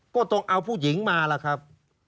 ก็ต้องเอาผู้หญิงมาล่ะครับ